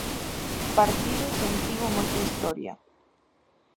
Partido sen tivo moita historia.